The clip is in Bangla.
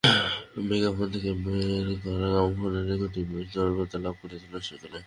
মেগাফোন থেকে বের করা গ্রামোফোন রেকর্ডটি বেশ জনপ্রিয়তা লাভ করেছিল সেকালে।